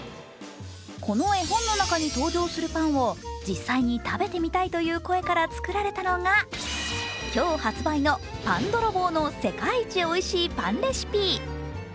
この絵本の中に登場するパンを実際に食べてみたいという声から作られたのが今日発売の「パンどろぼうのせかいいちおいしいパンレシピ」。